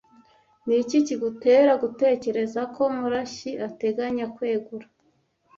Niki kigutera gutekereza ko Murashyi ateganya kwegura?